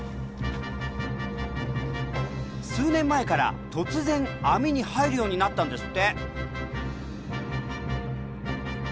数年前から突然網に入るようになったんですって。